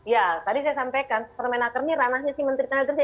ya tadi saya sampaikan permenaker ini ranahnya si menteri tenaga kerja